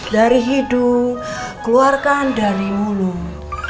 dari hidung keluarkan dari mulung